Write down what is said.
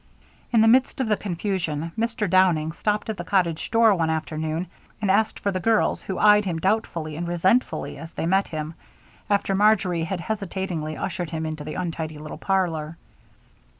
In the midst of the confusion, Mr. Downing stopped at the cottage door one noon and asked for the girls, who eyed him doubtfully and resentfully as they met him, after Marjory had hesitatingly ushered him into the untidy little parlor.